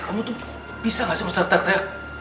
kamu tuh bisa gak sih mustar teriak